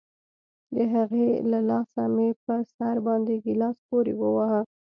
د هغې له لاسه مې په سر باندې گيلاس پورې وواهه.